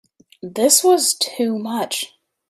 This was too much.